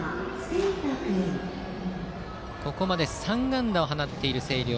ここまで３安打を放っている星稜。